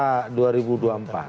karena kan ini pesta demokrasi ini